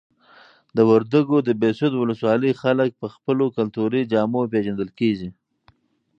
د وردګو د بهسود ولسوالۍ خلک په خپلو کلتوري جامو پیژندل کیږي.